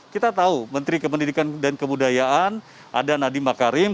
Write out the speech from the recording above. kita tahu menteri kementerian pendidikan dan kemudayaan ada nadiem makarim